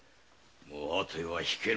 もう後にはひけぬ。